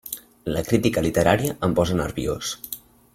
La crítica literària em posa nerviós!